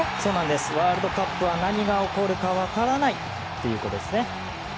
ワールドカップは何が起こるか分からないということですね。